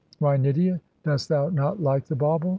Why, Nydia, dost thou not like the bauble?